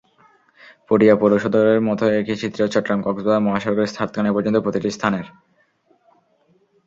পটিয়া পৌর সদরের মতো একই চিত্র চট্টগ্রাম-কক্সবাজার মহাসড়কের সাতকানিয়া পর্যন্ত প্রতিটি স্থানের।